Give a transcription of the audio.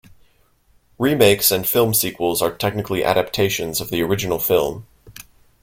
Remakes and film sequels are technically adaptations of the original film.